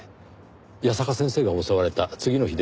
矢坂先生が襲われた次の日でした。